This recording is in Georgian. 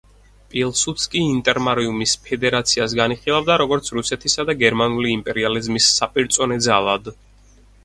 პილსუდსკი ინტერმარიუმის ფედერაციას განიხილავდა, როგორც რუსეთისა და გერმანული იმპერიალიზმის საპირწონე ძალად.